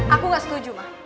aku gak setuju ma